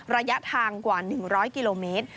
ระยะทางกว่า๑๐๐กิโลเมตร